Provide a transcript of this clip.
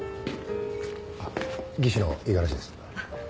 あっ技師の五十嵐です。